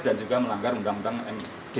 dan juga melanggar undang undang md tiga